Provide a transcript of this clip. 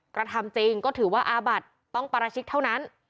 กระทำจริงก็ถือว่าอาบัติต้องปราชิกเท่านั้น